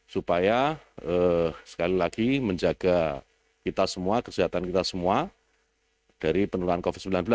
supaya sekali lagi menjaga kita semua kesehatan kita semua dari penularan covid sembilan belas